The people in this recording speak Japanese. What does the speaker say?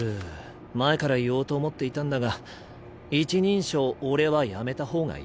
前から言おうと思っていたんだが一人称「俺」はやめた方がいい。